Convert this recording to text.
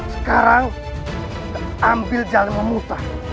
sekarang ambil jalan memutar